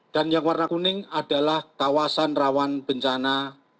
dan yang warna kuning adalah kawasan rawan bencana satu